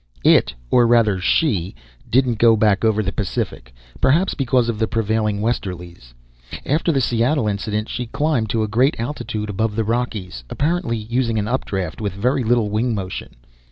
It, or rather she, didn't go back over the Pacific, perhaps because of the prevailing westerlies. After the Seattle incident she climbed to a great altitude above the Rockies, apparently using an updraft with very little wing motion.